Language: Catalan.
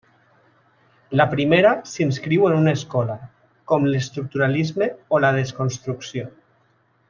La primera s'inscriu en una escola, com l'estructuralisme o la desconstrucció.